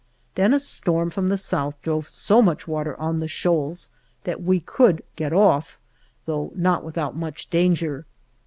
Then a storm from the south drove so much water on the shoals that we could get off, though not without much danger.